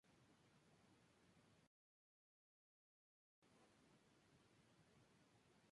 En el I Consejo Nacional fue nombrado jefe provincial de La Coruña.